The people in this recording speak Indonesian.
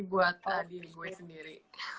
buat tadi gue sendiri